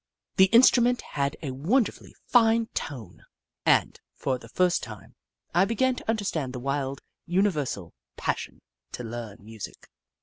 The instrument had a wonderfully fine tone, and, for the first time, I began to understand the wild, universal passion to learn music.